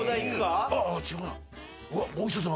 違うな。